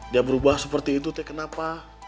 dia berubah seperti itu teh kenapa